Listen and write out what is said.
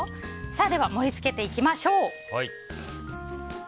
では、盛り付けていきましょう。